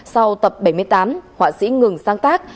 sau tập bảy mươi tám họa sĩ ngừng sáng tác